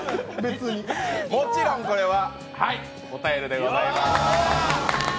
もちろんこれは応えるでございます。